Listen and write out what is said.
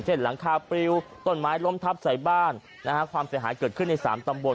หลังคาปริวต้นไม้ล้มทับใส่บ้านนะฮะความเสียหายเกิดขึ้นใน๓ตำบล